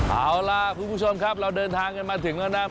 เอาล่ะคุณผู้ชมครับเราเดินทางกันมาถึงแล้วนะ